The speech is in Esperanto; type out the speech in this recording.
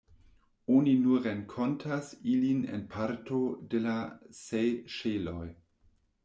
Oni nur renkontas ilin en parto de la Sejŝeloj.